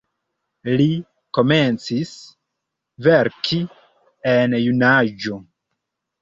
Li komencis verki en junaĝo.